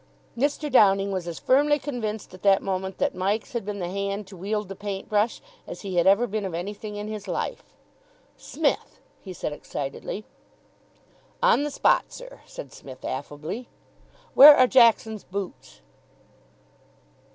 Mr. Downing was as firmly convinced at that moment that Mike's had been the hand to wield the paint brush as he had ever been of anything in his life. "Smith!" he said excitedly. "On the spot, sir," said Psmith affably. "Where are Jackson's boots?"